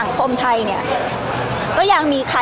พี่ตอบได้แค่นี้จริงค่ะ